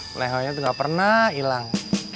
melehoinya tuh nggak pernah hilang